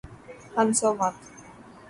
ہنسو مت